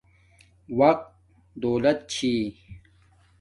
وقت دولت چھی